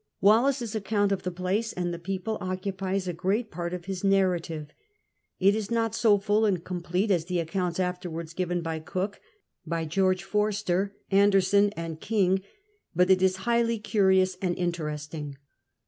Wallis's account of the place and the people occupies a great part of his narra 6o CAPTAIN COOK OKA I*. tive. It is not so full and complete as the accounts afterwards given by Cook, by George Forster, Anderson, and King, but it is highly curious and interesting.